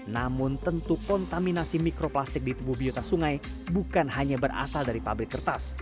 namun tentu kontaminasi mikroplastik di tubuh biota sungai bukan hanya berasal dari pabrik kertas